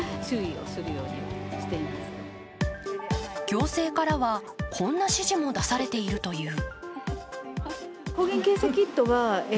行政からは、こんな指示も出されているという。